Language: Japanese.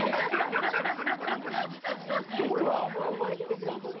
よく覚えててくださって。